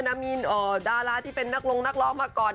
นามีนดาราที่เป็นนักลงนักร้องมาก่อน